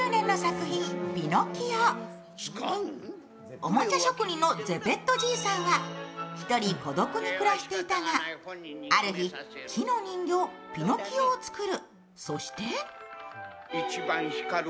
おもちゃ職人のゼペットじいさんは一人孤独に暮らしていたが、ある日、木の人形・ピノキオを作る。